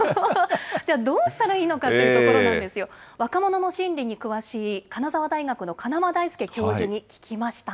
じゃあどうしたらいいのかっていうところなんですよ、若者の心理に詳しい、金沢大学の金間大介教授に聞きました。